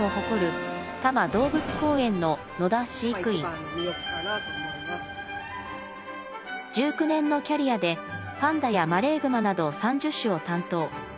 そして日本からは１９年のキャリアでパンダやマレーグマなど３０種を担当。